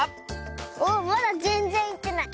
おっまだぜんぜんいってない。